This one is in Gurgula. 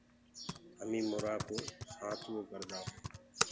همينٚ مُرآ ڪو سآتوونٚ ڪردآ هونٚ۔